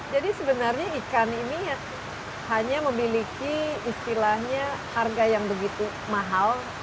jadi sebenarnya ikan ini hanya memiliki istilahnya harga yang begitu mahal